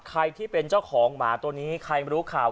ที่เป็นเจ้าของหมาตัวนี้ใครรู้ข่าว